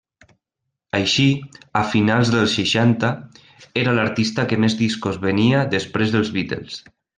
Així, a finals dels seixanta era l'artista que més discos venia després dels Beatles.